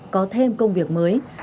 có thêm công việc mới